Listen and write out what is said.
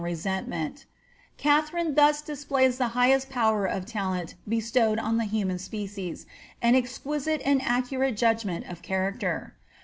09 resentment Katharine thus displays the highest powei of talent be stowed on the human species, an exquisite and accurate judgment of character.